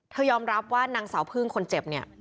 ยอมรับว่านางสาวพึ่งคนเจ็บเนี่ย